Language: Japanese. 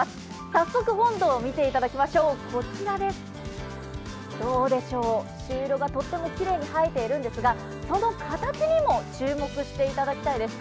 早速、本堂を見ていただきましょうどうでしょう、朱色がとってもきれいに映えているんですがこの形にも注目していただきたいんです。